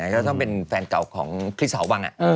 ก็ต้องเป็นแฟนเก่าของคริสหอวัง